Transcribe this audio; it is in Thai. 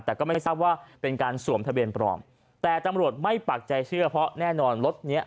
แต่ก็ไม่ได้ทราบว่าเป็นการสวมทะเบียนปลอมแต่ตำรวจไม่ปักใจเชื่อเพราะแน่นอนรถเนี้ย